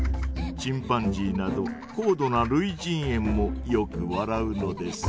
チンパンジーなど高度なるいじんえんもよく笑うのです。